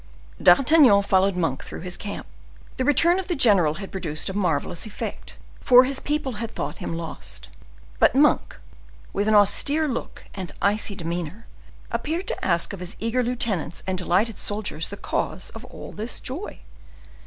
D'Artagnan followed Monk through his camp. The return of the general had produced a marvelous effect, for his people had thought him lost. But Monk, with his austere look and icy demeanor, appeared to ask of his eager lieutenants and delighted soldiers the cause of all this joy.